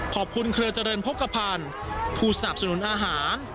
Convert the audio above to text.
เครือเจริญภกภัณฑ์ผู้สนับสนุนอาหาร